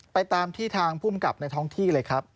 ตามที่ทางภูมิกับในท้องที่เลยครับ